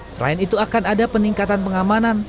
selain itu akan ada peningkatan pengamanan